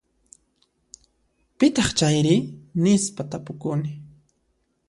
Pitaq chayri? Nispa tapukuni.